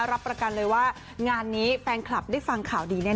รับประกันเลยว่างานนี้แฟนคลับได้ฟังข่าวดีแน่